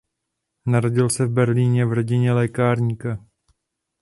Narodil se v Berlíně v rodině lékárníka.